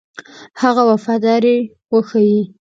هغه وفاداري وښيي.